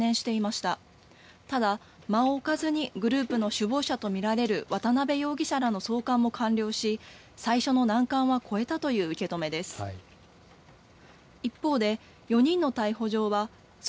ただ、間を置かずにグループの首謀者と見られる渡邉容疑者らの送還も完了し、最初の難関は越えたという受け止めです。